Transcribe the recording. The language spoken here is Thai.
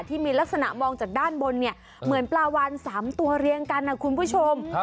ที่มีลักษณะมองจากด้านบนเนี่ยเหมือนปลาวาน๓ตัวเรียงกันนะคุณผู้ชม